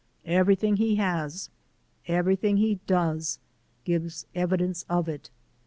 Everything he has, everything he does, gives evidence of it.